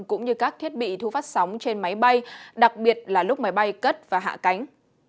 cũng như các thiết bị thu phát sóng trên máy bay đặc biệt là lúc máy bay cất và hạ cánh